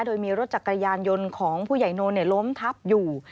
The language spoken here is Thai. โดยมีรถจักรยานยนต์ของผู้ใหญ่โน้นล้มทับอยู่